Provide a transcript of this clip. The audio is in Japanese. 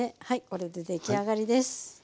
これで出来上がりです。